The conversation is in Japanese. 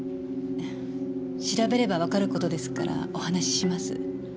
調べればわかる事ですからお話しします。